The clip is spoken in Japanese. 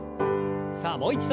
さあもう一度。